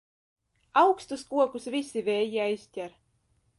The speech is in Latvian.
Augstus kokus visi vēji aizķer.